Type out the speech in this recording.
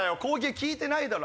効いてないだろ！